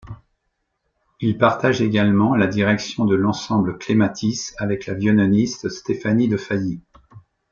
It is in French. Il partage également la direction de l'Ensemble Clematis, avec la violoniste Stéphanie de Failly.